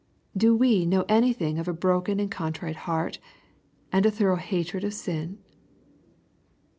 Do we know anything of a broken and contrite heart, and a thorough hatred of sin